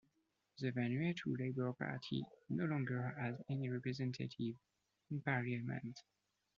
The Vanuatu Labor Party no longer has any representatives in Parliament.